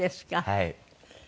はい。